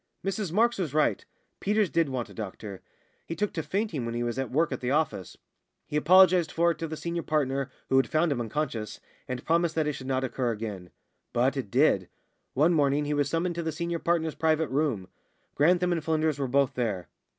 Mrs Marks was right. Peters did want a doctor. He took to fainting when he was at work at the office. He apologised for it to the senior partner, who had found him unconscious, and promised that it should not occur again. But it did. One morning he was summoned to the senior partner's private room. Grantham and Flynders were both there.